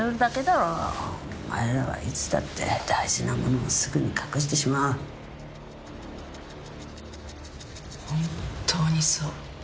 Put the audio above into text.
「お前らはいつだって大事なものをすぐに隠してしまう」「本当にそう」